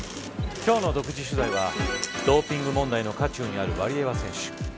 今日の独自取材はドーピング問題の渦中にあるワリエワ選手。